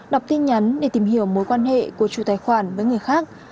đọc tin nhắn để tìm hiểu mối quan hệ của chủ tài khoản với người khác